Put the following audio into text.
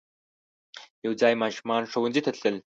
یو ځای ماشومان ښوونځی ته تلل.